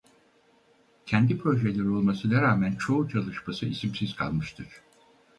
Kendi projeleri olmasına rağmen çoğu çalışması isimsiz kalmıştır.